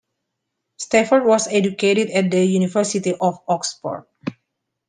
Stafford was educated at the University of Oxford.